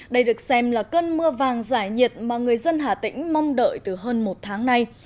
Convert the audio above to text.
đây được xem là cơn mưa vàng giải nhiệt mà người dân hà tĩnh mong đợi từ hơn một tháng nay